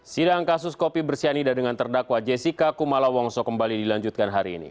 sidang kasus kopi bersianida dengan terdakwa jessica kumala wongso kembali dilanjutkan hari ini